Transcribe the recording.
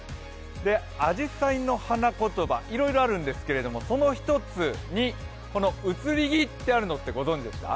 あじさいの花言葉、いろいろあるんですけど、その１つにこの移り気ってあるのご存じでした？